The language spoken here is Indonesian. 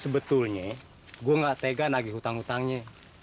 sebetulnya gue gak tega lagi hutang hutangnya